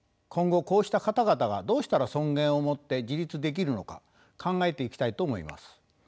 今後こうした方々がどうしたら尊厳を持って自立できるのか考えていきたいと思います。